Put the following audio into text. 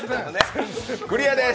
クリアでーす。